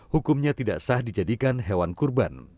hukumnya tidak sah dijadikan hewan kurban